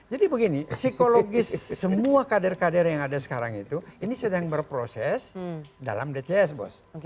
jadi begini psikologis semua kader kader yang ada sekarang itu ini sedang berproses dalam dcs bos